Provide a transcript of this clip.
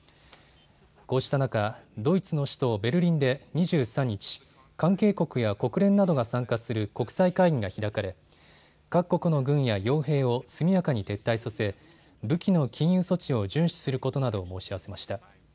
こうした中、ドイツの首都ベルリンで２３日、関係国や国連などが参加する国際会議が開かれ各国の軍やよう兵を速やかに撤退させ武器の禁輸措置を順守することなどを申し合わせました。